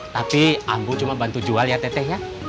tapi ambo cuma bantu jual ya teteh ya